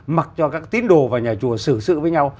mặc cho các tín đồ và nhà chùa xử sự với nhau